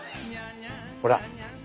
ほら。